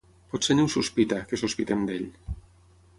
Potser ni ho sospita, que sospitem d'ell.